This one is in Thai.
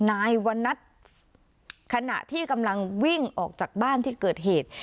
นายวันนัทขณะที่กำลังวิ่งออกจากบ้านที่เกิดเหตุ